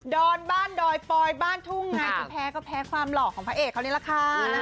อนบ้านดอยปอยบ้านทุ่งไงที่แพ้ก็แพ้ความหล่อของพระเอกเขานี่แหละค่ะ